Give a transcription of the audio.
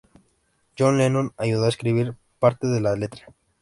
John Lennon ayudó a escribir parte de la letra.